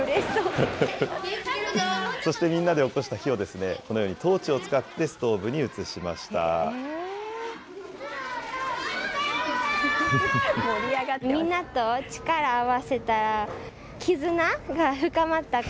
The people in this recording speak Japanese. そしてみんなでおこした火を、このようにトーチを使ってストーブに移しました。